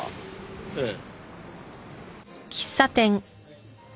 ええ。